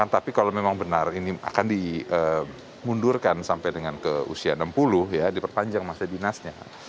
tapi kalau memang benar ini akan dimundurkan sampai dengan ke usia enam puluh ya diperpanjang masa dinasnya